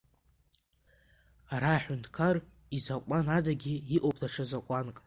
Ара аҳәынҭқар изакәан адагьы иҟоуп даҽа закәанк.